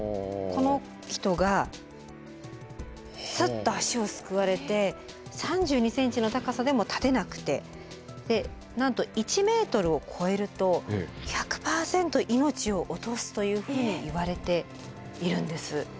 この人がサッと足をすくわれて３２ｃｍの高さでも立てなくてなんと１ｍを超えると１００％命を落とすというふうにいわれているんです。